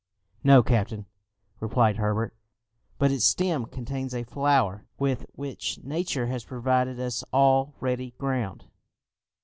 "No, captain," replied Herbert; "but its stem contains a flour with which nature has provided us all ready ground."